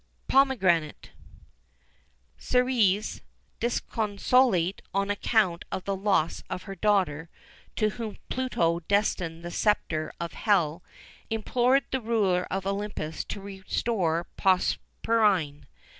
POMEGRANATE. Ceres, disconsolate on account of the loss of her daughter, to whom Pluto destined the sceptre of Hell, implored the ruler of Olympus to restore Proserpine.